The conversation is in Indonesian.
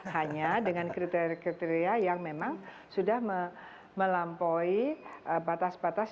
hanya dengan kriteria kriteria yang memang sudah melampaui batas batas